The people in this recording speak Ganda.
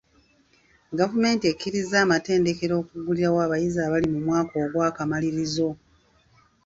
Gavumenti ekkirizza amatendekero okuggulirawo abayizi abali mu mwaka ogw'akamalirizo.